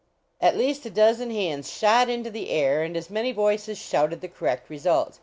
At least a dozen hands shot into the air and as many voices shouted the correct result.